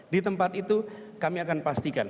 di tempat itu kami akan pastikan